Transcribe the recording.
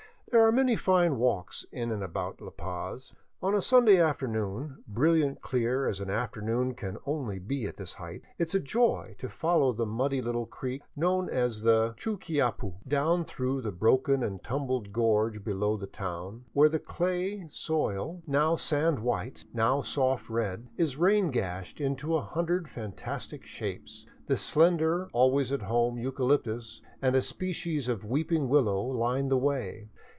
There are many fine walks in and about La Paz. On a sunny after noon, brilliant clear as an afternoon can be only at this height, it is a 508 THE COLLASUYU, OR " UPPER " PERU joy to follow a muddy little creek, known as the Chuquiyapu, down through the broken and tumbled gorge below the town, where the clay, soil, now sandy white, now soft red, is rain gashed into a hundred fan tastic shapes. The slender, always at home eucalyptus and a species, of weeping willow line the way.